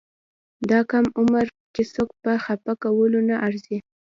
دا کم عمر کې څوک په خپه کولو نه ارزي.